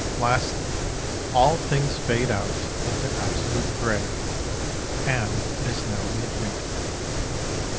Lastly, all things fade out into absolute grey, and it is now midwinter.